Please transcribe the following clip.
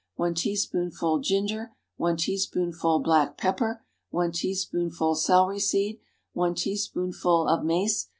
1 teaspoonful ginger. 1 teaspoonful black pepper. 1 teaspoonful celery seed. 1 teaspoonful of mace.